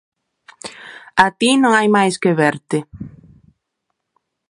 A ti non hai máis que verte...